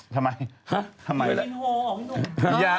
ทำไมทำไมล่ะดูดินโฮของหนุ่ม